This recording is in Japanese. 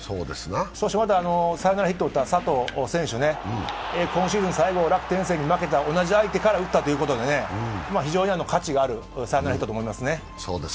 そしてまたサヨナラヒットを打った佐藤選手、今シーズン最後、楽天戦に負けた同じ相手から打ったということで非常に価値があると思いますね。